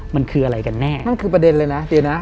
มันคืออะไรกันแน่นั่นคือประเด็นเลยนะเดี๋ยวนะ